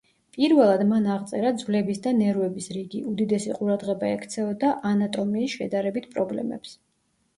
პირველად მან აღწერა ძვლების და ნერვების რიგი, უდიდესი ყურადღება ექცეოდა ანატომიის შედარებით პრობლემებს.